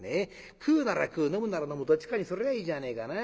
食うなら食う飲むなら飲むどっちかにすりゃあいいじゃねえかな。